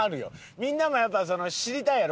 みんなもやっぱ知りたいやろ？